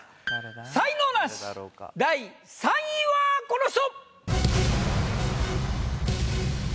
才能ナシ第３位はこの人！